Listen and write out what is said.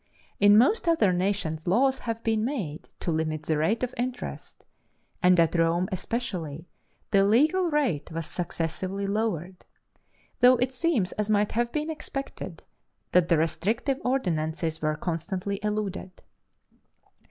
In most other nations laws have been made to limit the rate of interest, and at Rome especially the legal rate was successively lowered though it seems, as might have been expected, that the restrictive ordinances were constantly eluded.